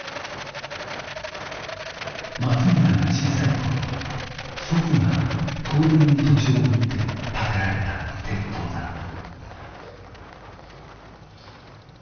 松村が小さい頃祖父が東電に土地を売って建てられた鉄塔だ。